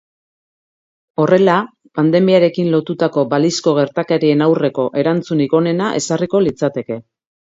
Horrela, pandemiarekin lotutako balizko gertakarien aurreko erantzunik onena ezarriko litzateke.